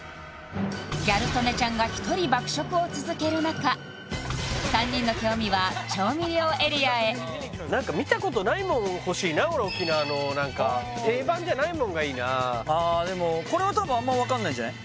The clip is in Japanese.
ギャル曽根ちゃんが１人爆食を続ける中３人の興味は調味料エリアへ何か見たことないもん欲しいな俺沖縄の何か定番じゃないものがいいなこれはたぶんあんま分かんないんじゃない？